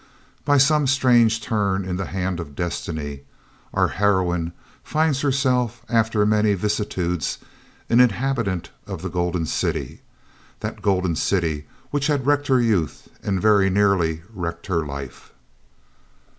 By some strange turn in the hand of Destiny, our heroine finds herself, after many vicissitudes, an inhabitant of the Golden City that Golden City which had wrecked her youth and very nearly wrecked her life.